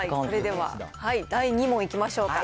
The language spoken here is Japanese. それでは第２問いきましょうか。